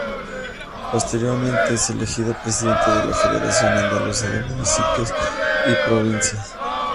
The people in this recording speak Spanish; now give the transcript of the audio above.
Posteriormente es elegido presidente de la Federación Andaluza de Municipios y Provincias.